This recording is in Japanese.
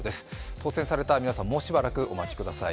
当選された皆さん、もうしばらくお待ちください。